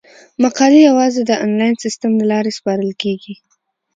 مقالې یوازې د انلاین سیستم له لارې سپارل کیږي.